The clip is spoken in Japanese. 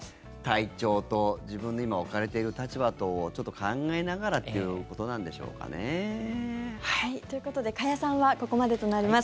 体調と自分の今、置かれている立場とをちょっと考えながらっていうことなんでしょうかね。ということで加谷さんはここまでとなります。